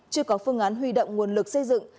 chưa có phương án huy động nguồn lực xây dựng